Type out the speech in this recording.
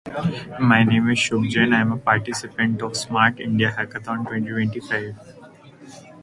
She has blonde hair but it is black in the movie "Mostly Ghostly".